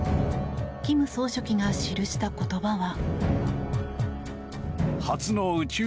金総書記が記した言葉は。